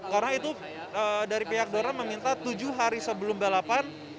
karena itu dari pihak dorna meminta tujuh hari sebelum balapan